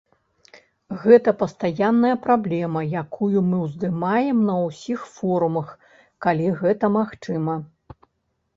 Гэта пастаянная праблема, якую мы ўздымаем на ўсіх форумах, калі гэта магчыма.